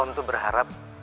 om tuh berharap